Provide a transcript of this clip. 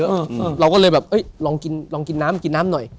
เออเราก็เลยแบบเอ้ยลองกินลองกินน้ำกินน้ำหน่อย